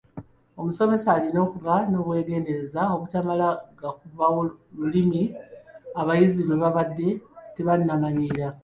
Omusomesa alina okuba n’obwegendereza obutamala gakubawo lulimi abayizi lwe babadde batannamanyiira.